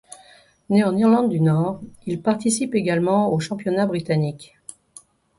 Né en Irlande du Nord, il participe également aux championnats britanniques.